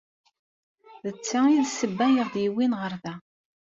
D ta i d ssebba i ɣ-d-yewwin ɣer da.